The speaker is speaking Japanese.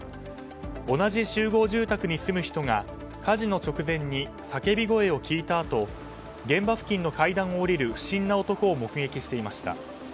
同じ集合住宅に住む人が火事の直前に叫び声を聞いたあと現場付近の階段を下りる不審な男を目撃していました。